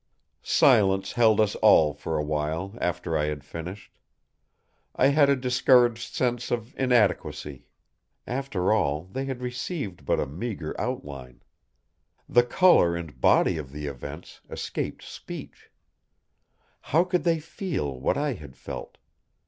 Silence held us all for a while after I had finished. I had a discouraged sense of inadequacy. After all, they had received but a meagre outline. The color and body of the events escaped speech. How could they feel what I had felt?